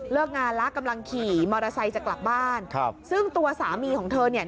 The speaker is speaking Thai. งานแล้วกำลังขี่มอเตอร์ไซค์จะกลับบ้านครับซึ่งตัวสามีของเธอเนี่ย